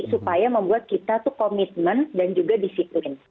supaya membuat kita komitmen dan juga disituin